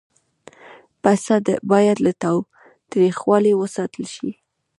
پسه باید له تاوتریخوالي وساتل شي.